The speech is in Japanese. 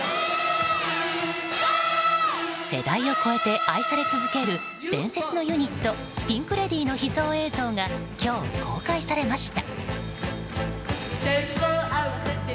世代を超えて愛され続ける伝説のユニットピンク・レディーの秘蔵映像が今日公開されました。